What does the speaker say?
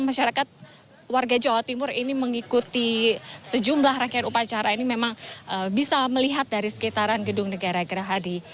masyarakat warga jawa timur ini mengikuti sejumlah rangkaian upacara ini memang bisa melihat dari sekitaran gedung negara gerahadi